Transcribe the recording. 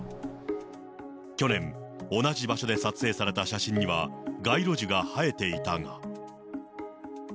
去年、同じ場所で撮影された写真には、街路樹が生えていたが。